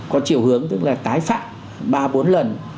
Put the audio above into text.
có chiều hướng tức là tái phạm ba bốn lần